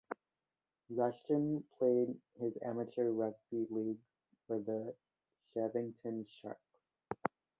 Rushton played his amateur rugby league for the Shevington Sharks.